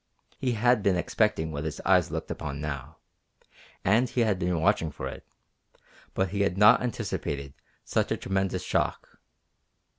He had been expecting what his eyes looked upon now, and he had been watching for it, but he had not anticipated such a tremendous shock.